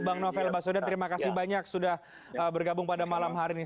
bang novel baswedan terima kasih banyak sudah bergabung pada malam hari ini